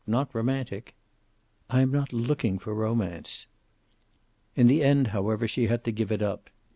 Not romantic." "I am not looking for romance." In the end, however, she had to give it up.